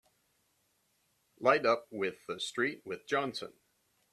Light up with the street with Johnson!